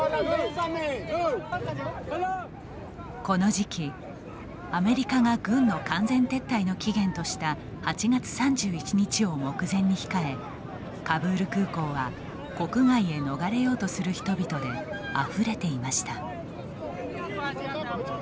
この時期、アメリカが軍の完全撤退の期限とした８月３１日を目前に控えカブール空港は国外へ逃れようとする人々であふれていました。